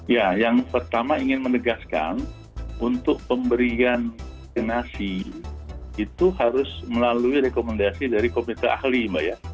ya yang pertama ingin menegaskan untuk pemberian vaksinasi itu harus melalui rekomendasi dari komite ahli mbak ya